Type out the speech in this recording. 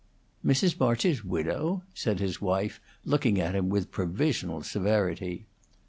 "Mr. March's widow?" said his wife, looking at him with provisional severity.